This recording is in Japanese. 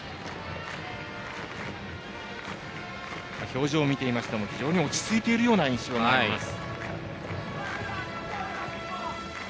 表情を見ていましても非常に落ち着いているような印象があります。